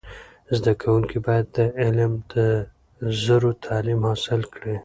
زده کوونکي باید د علم د زرو تعلیم حاصل کړي.